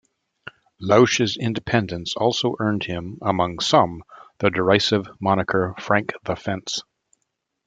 Lausche's independence also earned him, among some, the derisive moniker, Frank the Fence.